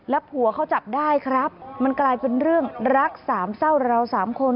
ผัวเขาจับได้ครับมันกลายเป็นเรื่องรักสามเศร้าเราสามคน